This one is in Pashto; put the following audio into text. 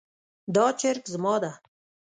دا چرګ زما ده